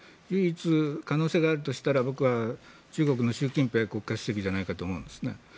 唯一可能性があるとしたら僕は中国の習近平国家主席じゃないかと思うんですね。